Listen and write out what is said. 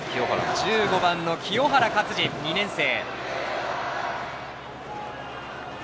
１５番の清原勝児、２年生。